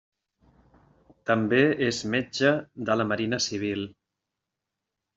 També és metge de la Marina Civil.